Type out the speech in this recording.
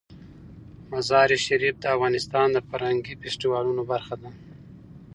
مزارشریف د افغانستان د فرهنګي فستیوالونو برخه ده.